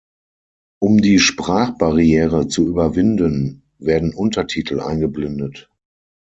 Um die Sprachbarriere zu überwinden, werden Untertitel eingeblendet.